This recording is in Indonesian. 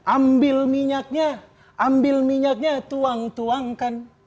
ambil minyaknya ambil minyaknya tuang tuangkan